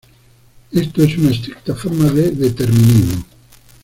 Esto es una estricta forma de determinismo.